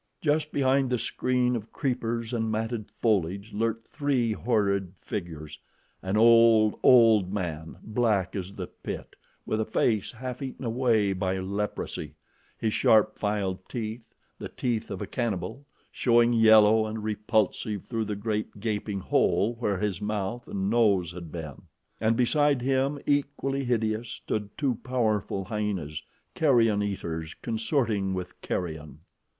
Just behind the screen of creepers and matted foliage lurked three horrid figures an old, old man, black as the pit, with a face half eaten away by leprosy, his sharp filed teeth, the teeth of a cannibal, showing yellow and repulsive through the great gaping hole where his mouth and nose had been. And beside him, equally hideous, stood two powerful hyenas carrion eaters consorting with carrion.